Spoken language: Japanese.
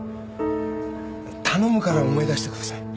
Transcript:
頼むから思い出してください。